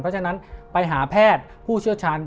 เพราะฉะนั้นไปหาแพทย์ผู้เชี่ยวชาญ